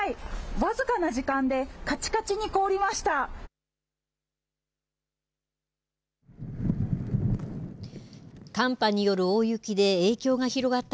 僅かな時間で、かちかちに凍りました。